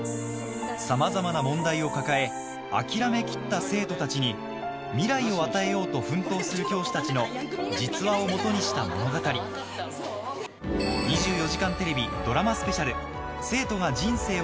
さまざまな問題を抱え諦め切った生徒たちに未来を与えようと奮闘する教師たちの実話を基にした物語いたずらだよ！